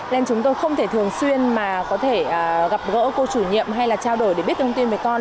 nên chúng tôi không thể thường xuyên mà có thể gặp gỡ cô chủ nhiệm hay là trao đổi để biết thông tin với con